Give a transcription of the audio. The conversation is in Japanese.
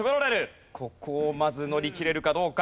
ここをまず乗り切れるかどうか。